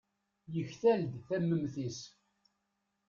yektal-d tamemt-is